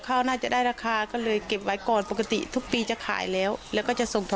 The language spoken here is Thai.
น่าจะได้ราคาก็เลยเก็บไว้ก่อนปกติทุกปีจะขายแล้วแล้วก็จะส่งต่อ